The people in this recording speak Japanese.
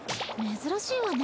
珍しいわね